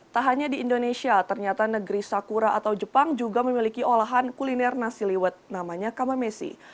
tak hanya di indonesia ternyata negeri sakura atau jepang juga memiliki olahan kuliner nasi liwet namanya kamamesi